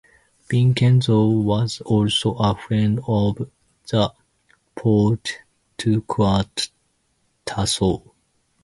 Vincenzo was also a friend of the poet Torquato Tasso.